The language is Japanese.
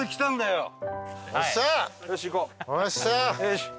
よし！